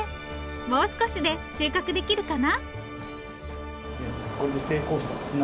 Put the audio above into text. もう少しで収穫できるかな？